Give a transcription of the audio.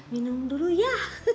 minum dulu ya